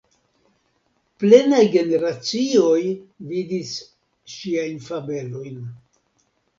Plenaj generacioj vidis ŝiajn fabelojn.